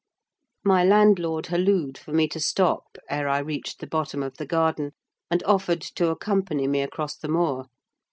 My landlord halloed for me to stop ere I reached the bottom of the garden, and offered to accompany me across the moor.